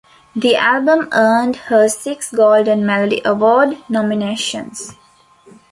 The album earned her six Golden Melody Award nominations.